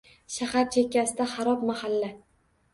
Shahar chekkasida xarob mahalla